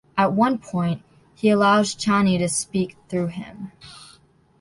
At one point, he allows Chani to speak through him.